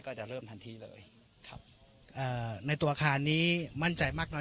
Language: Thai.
จะเริ่มทันทีเลยครับเอ่อในตัวอาคารนี้มั่นใจมากน้อย